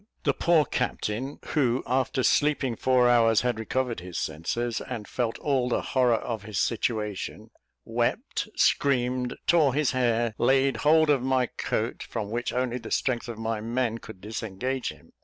The poor captain who, after sleeping four hours, had recovered his senses, and felt all the horror of his situation wept, screamed, tore his hair, laid hold of my coat, from which only the strength of my men could disengage him.